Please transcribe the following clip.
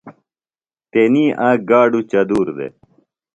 تنی آک گاڈُوۡ چدُور دےۡ۔